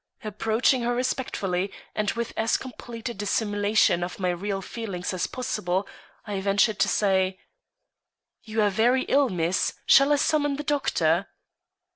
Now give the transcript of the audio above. Approaching her respectfully, and with as complete a dissimulation of my real feelings as possible, I ventured to say: "You are very ill, miss. Shall I summon the doctor?"